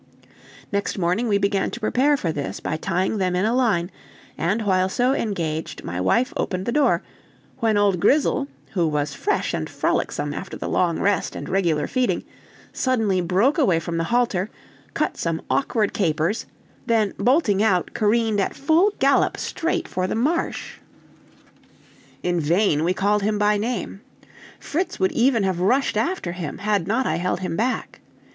Next morning we began to prepare for this by tying them in a line, and while so engaged my wife opened the door, when old Grizzle, who was fresh and frolicsome after the long rest and regular feeding, suddenly broke away from the halter, cut some awkward capers, then bolting out, careened at full gallop straight for the marsh. In vain we called him by name. Fritz would even have rushed after him, had not I held him back.